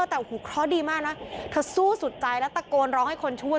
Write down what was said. แต่โอ้โหเคราะห์ดีมากนะเธอสู้สุดใจแล้วตะโกนร้องให้คนช่วย